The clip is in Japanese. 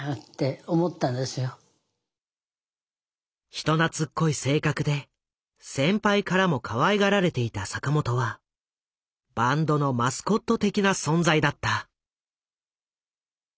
人懐っこい性格で先輩からもかわいがられていた坂本はバンドのマスコット的な存在だった。